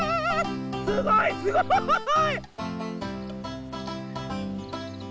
すごいすごい！